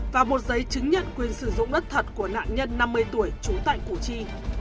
và một giấy chứng nhận quyền sử dụng đất thật của nạn nhân năm mươi tuổi trú tại củ chi